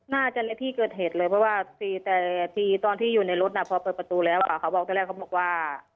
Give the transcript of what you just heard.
น่าจะในที่เกิดเหตุเลยเพราะว่าตอนที่อยู่ในรถพอเปิดประตูแล้วเขาบอกตั้งแต่แรกว่า